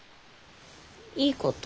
いいこと？